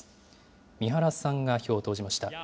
三原さんが票を投じました。